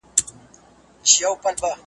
نه ژغورلو ته دوستان مي سوای راتللای .